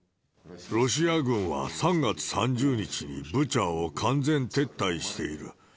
ロシア軍は３月３０日にブチャを完全撤退している。